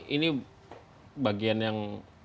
ini bagian yang